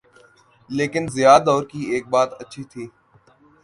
لیکن ضیاء دور کی ایک بات اچھی تھی۔